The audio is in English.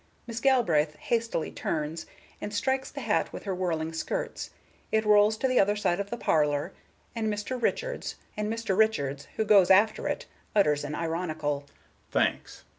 Miss Galbraith hastily turns, and strikes the hat with her whirling skirts; it rolls to the other side of the parlor, and Mr. Richards, who goes after it, utters an ironical "Thanks!"